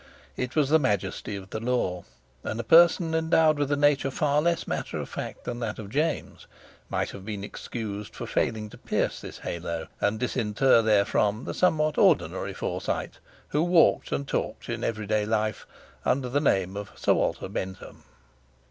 It was the majesty of the law; and a person endowed with a nature far less matter of fact than that of James might have been excused for failing to pierce this halo, and disinter therefrom the somewhat ordinary Forsyte, who walked and talked in every day life under the name of Sir Walter Bentham.